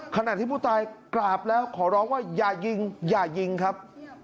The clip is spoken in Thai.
ขณะที่ผู้ตายกราบแล้วขอร้องว่าอย่ายิงอย่ายิงครับ